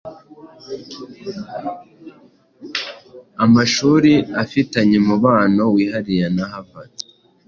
amashuri afitanye umubano wihariye na Harvard.